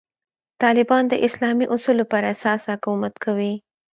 طالبان د اسلامي اصولو پر اساس حکومت کوي.